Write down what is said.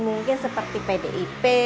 mungkin seperti pdip